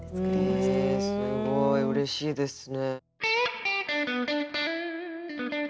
すごいうれしいですね。